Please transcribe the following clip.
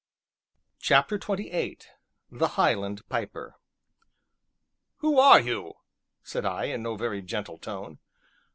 CHAPTER XXVIII THE HIGHLAND PIPER "Who are you?" said I, in no very gentle tone.